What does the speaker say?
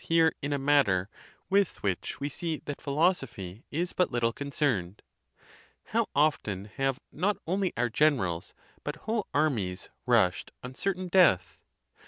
49 here in a matter with which we see that philosophy is but little concerned? How often have not only our generals, but whole armies, rushed on certain death!